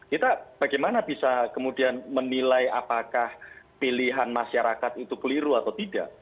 kita bagaimana bisa kemudian menilai apakah pilihan masyarakat itu keliru atau tidak